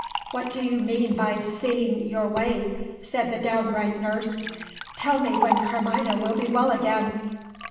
"What do you mean by seeing your way?" said the downright nurse. "Tell me when Carmina will be well again."